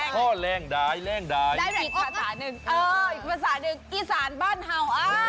เบาวะได้เปล่า